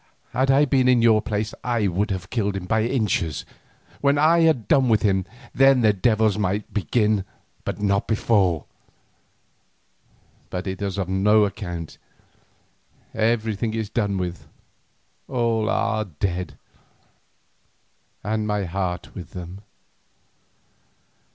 "Had I been in your place, I would have killed him by inches. When I had done with him, then the devils might begin, not before. But it is of no account; everything is done with, all are dead, and my heart with them.